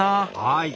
はい。